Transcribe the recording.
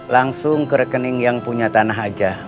langsung ke rekening yang punya tanah aja